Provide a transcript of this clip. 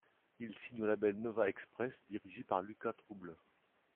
Ils signent au label Nova Express, dirigé par Lucas Trouble.